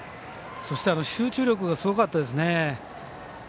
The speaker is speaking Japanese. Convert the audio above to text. そして集中力がすごかったですね。